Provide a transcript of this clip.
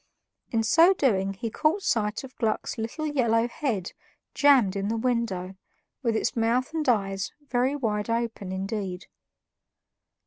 In so doing he caught sight of Gluck's little yellow head jammed in the window, with its mouth and eyes very wide open indeed.